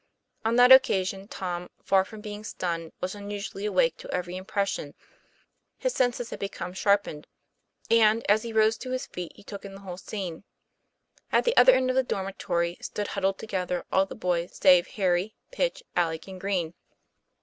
On that occasion Tom, far from being stunned, was unusually awake to every impression. His senses had become sharpened; and as he rose to his feet he took in the whole scene. At the other end of the dormitory stood huddled together all the boys save Harry, Pitch, Alec, and Green.